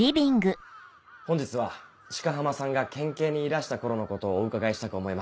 本日は鹿浜さんが県警にいらした頃のことをお伺いしたく思いまして。